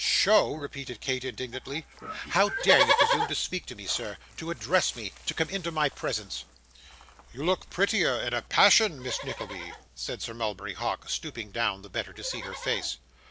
'SHOW!' repeated Kate, indignantly. 'How dare you presume to speak to me, sir to address me to come into my presence?' 'You look prettier in a passion, Miss Nickleby,' said Sir Mulberry Hawk, stooping down, the better to see her face.